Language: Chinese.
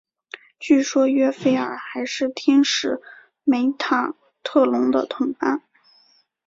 据说约斐尔还是天使梅塔特隆的同伴。